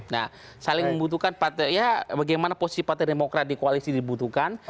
nah saling membutuhkan bagaimana posisi partai demokrat di koalisi dibutuhkan